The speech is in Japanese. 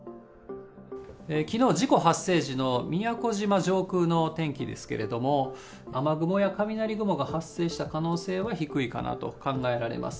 きのう、事故発生時の宮古島上空の天気ですけれども、雨雲や雷雲が発生した可能性は低いかなと考えられます。